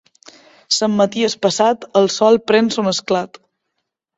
Sant Maties passat, el sol pren son esclat.